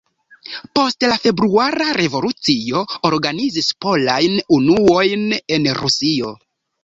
Post la februara revolucio organizis polajn unuojn en Rusio.